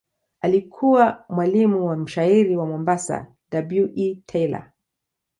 Alikuwa mwalimu wa mshairi wa Mombasa W. E. Taylor.